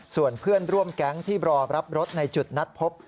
ส่วนเพื่อนร่วมแก๊งที่รอรับรถในจุดนัดพบ